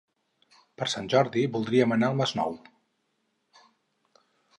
Per Sant Jordi voldríem anar al Masnou.